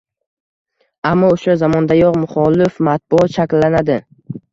Ammo o‘sha zamondayoq muxolif matbuot shakllanadi.